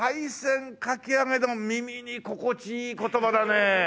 耳に心地いい言葉だね。